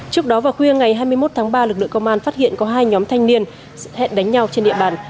trước đó vào khuya ngày hai mươi một tháng ba lực lượng công an phát hiện có hai nhóm thanh niên hẹn đánh nhau trên địa bàn